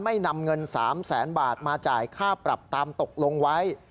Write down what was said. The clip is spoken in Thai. นำเงิน๓แสนบาทมาจ่ายค่าปรับตามตกลงไว้